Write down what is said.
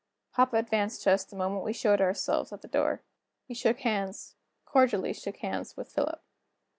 Papa advanced to us the moment we showed ourselves at the door. He shook hands cordially shook hands with Philip.